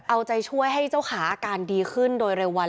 เอาใจช่วยให้เจ้าขาอาการดีขึ้นโดยเร็ววัน